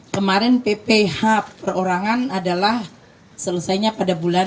kemarin pph perorangan adalah selesainya pada bulan